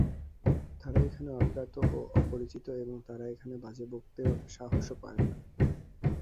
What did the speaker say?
তারা এখানে অজ্ঞাত ও অপরিচিত এবং তারা এখানে বাজে বকতে সাহসও পায় না।